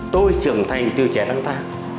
tôi trưởng thành từ trẻ năm tháng